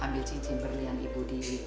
ambil cincin berlian ibu diri